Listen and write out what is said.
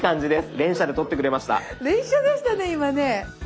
連写でしたね今ね。